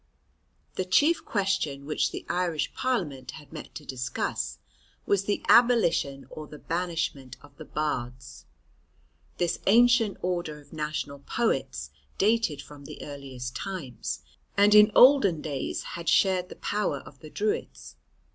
The chief question which the Irish parliament had met to discuss, was the abolition or the banishment of the Bards. This ancient order of national poets dated from the earliest times, and in olden days had shared the power of the Druids.